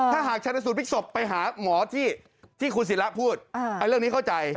ถ้าหากชนสูตรพลิกศพไปหาหมอที่คุณศิระพูดเรื่องนี้เข้าใจ